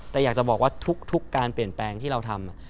แต่อยากจะบอกว่าทุกการเปลี่ยนแปลงที่เราทำ